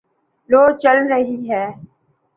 لوُ چل رہی ہے